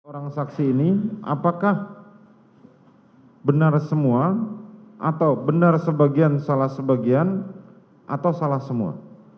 orang saksi ini apakah benar semua atau benar sebagian salah sebagian atau salah semua